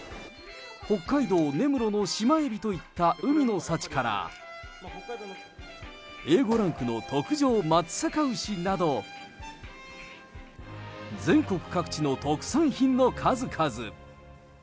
北海道根室のシマエビといった海の幸から、Ａ５ランクの特上松阪牛など、全国各地の特産品の数々。